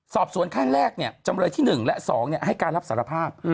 สอบสวนขั้นแรกจำเลยที่๑และ๒ให้การรับสารภาพ